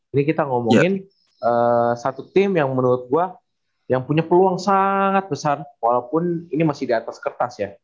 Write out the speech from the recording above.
ini kita ngomongin satu tim yang menurut gue yang punya peluang sangat besar walaupun ini masih di atas kertas ya